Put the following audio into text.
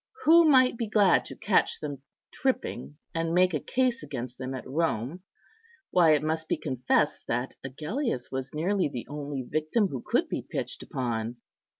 —who might be glad to catch them tripping, and make a case against them at Rome, why, it must be confessed that Agellius was nearly the only victim who could be pitched upon.